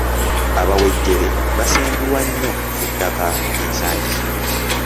Abawejjere basengulwa nnyo ku ttaka ensangi zino.